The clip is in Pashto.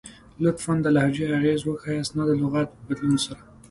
لطفاً ، د لهجې اغیز وښایست نه د لغات په بدلون سره!